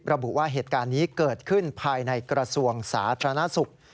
ระบุว่าเหตุการณ์นี้เกิดขึ้นภายในกระทรวงสาธารณสุข